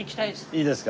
いいですか？